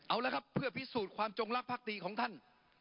เอาละครับเพื่อพิสูจน์ความจงรักภักดีของท่าน